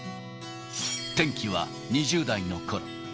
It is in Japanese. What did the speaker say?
転機は２０代のころ。